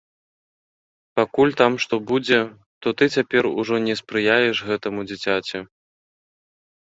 Пакуль там што будзе, то ты цяпер ужо не спрыяеш гэтаму дзіцяці.